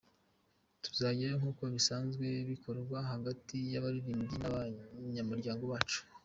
Tuzajyayo nkuko bisanzwe bikorwa hagati y’abaririmbyi n’abanyamuryango bacu.